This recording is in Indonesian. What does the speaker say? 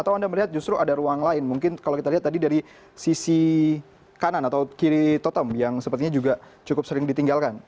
atau anda melihat justru ada ruang lain mungkin kalau kita lihat tadi dari sisi kanan atau kiri totem yang sepertinya juga cukup sering ditinggalkan